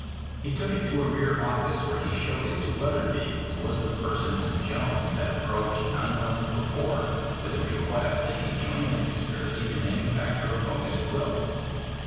He took it to a rear office, where he showed it to Wetherbee, who was the person whom Jones had approached nine months before with a request that he join the conspiracy to manufacture a bogus will.